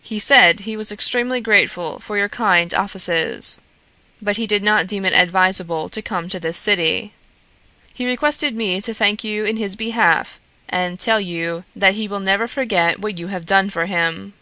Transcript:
"He said he was extremely grateful for your kind offices, but he did not deem it advisable to come to this city. He requested me to thank you in his behalf and to tell you that he will never forget what you have done for him."